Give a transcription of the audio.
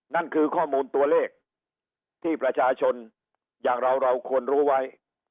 นั่นคือข้อมูลตัวเลขที่ประชาชนอย่างเราเราควรรู้ไว้